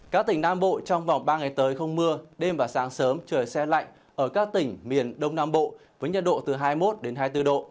các tỉnh nam bộ trong vòng ba ngày tới không mưa đêm và sáng sớm trời xe lạnh ở các tỉnh miền đông nam bộ với nhiệt độ từ hai mươi một hai mươi bốn độ